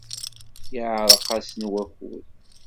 Yeɛreq-asen wakud.